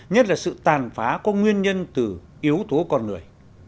nhất là sự tàn phá có nguyên nhân từ yếu tố con người